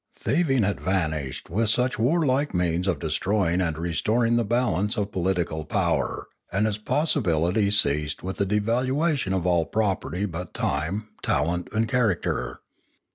Thieving had vanished with such warlike means of destroying and restoring the balance of po litical power, and its possibility ceased with the de valuation of all property but time, talent, and character.